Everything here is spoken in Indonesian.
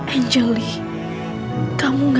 angel lee kamu gak tahu